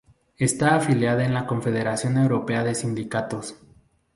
Está afiliada a la Confederación Europea de Sindicatos.